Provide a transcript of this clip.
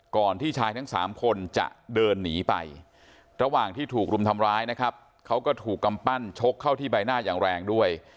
ที่ชายทั้ง๓คนจะเดินหนีไประหว่างที่ถูกรุมทำร้ายนะครับเขาก็ถูกกำปั้นชกเข้าที่ใบหน้าอย่างแรงด้วย